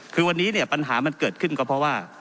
คือวันนี้เนี่ยปัญหามันเกิดขึ้นก็เพราะว่า